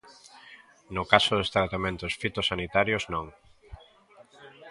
No caso dos tratamentos fitosanitarios, non.